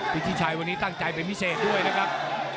ทิศิชัยวันนี้ตั้งใจเป็นพิเศษด้วยนะครับ